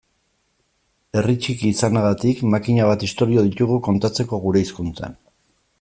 Herri txiki izanagatik makina bat istorio ditugu kontatzeko gure hizkuntzan.